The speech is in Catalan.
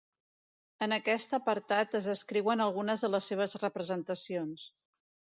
En aquest apartat es descriuen algunes de les seves representacions.